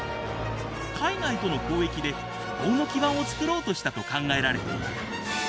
海外との交易で復興の基盤を作ろうとしたと考えられている。